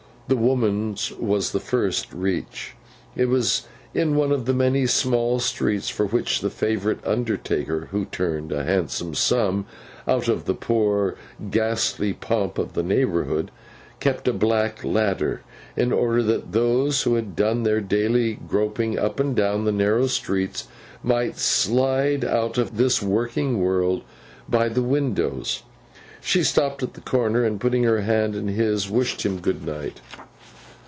The woman's was the first reached. It was in one of the many small streets for which the favourite undertaker (who turned a handsome sum out of the one poor ghastly pomp of the neighbourhood) kept a black ladder, in order that those who had done their daily groping up and down the narrow stairs might slide out of this working world by the windows. She stopped at the corner, and putting her hand in his, wished him good night.